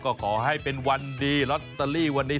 ก็ขอให้เป็นวันดีลอตเตอรี่วันนี้